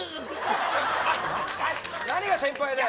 何が先輩だよ。